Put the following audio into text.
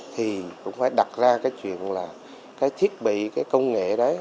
thì cũng phải đặt ra cái chuyện là cái thiết bị cái công nghệ đấy